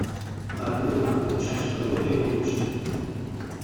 Va viure durant l'Eocè superior i l'Oligocè.